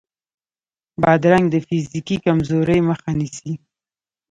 بادرنګ د فزیکي کمزورۍ مخه نیسي.